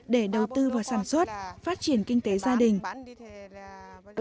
để đầu tư vào sản xuất phát triển kinh tế gia đình